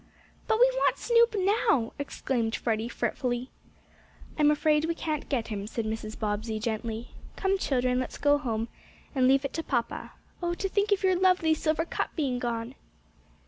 "But we want Snoop now!" exclaimed Freddie, fretfully. "I'm afraid we can't get him," said Mrs. Bobbsey, gently. "Come, children, let's go home now, and leave it to papa. Oh, to think of your lovely silver cup being gone!"